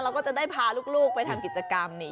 เราก็จะได้พาลูกไปทำกิจกรรมนี่